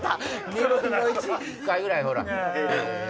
２分の１。１回ぐらいほら。